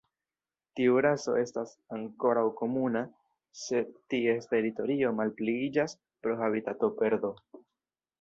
Tiu raso estas ankoraŭ komuna, sed ties teritorio malpliiĝas pro habitatoperdo.